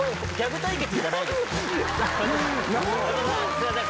すいません。